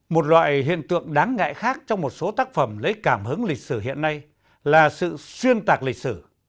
một loại hiện tượng đáng ngại khác trong một số tác phẩm lấy cảm hứng lịch sử hiện nay là sự xuyên tạc lịch sử